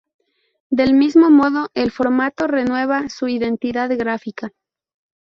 Del mismo modo, el formato renueva su identidad gráfica.